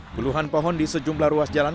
puluhan pohon di sejumlah ruas jalan